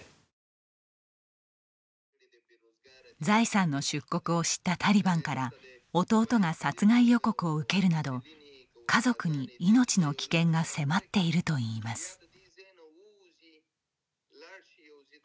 ザイさんの出国を知ったタリバンから弟が殺害予告を受けるなど家族に命の危険が迫っているといいます。